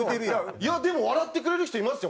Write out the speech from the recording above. いやでも笑ってくれる人いますよ。